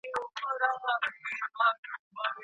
او د شعرونو مجموعې یې چاپ ته سپارلې